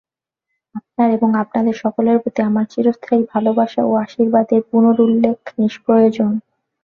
আপনার এবং আপনাদের সকলের প্রতি আমার চিরস্থায়ী ভালবাসা ও আশীর্বাদের পুনরুল্লেখ নিষ্প্রয়োজন।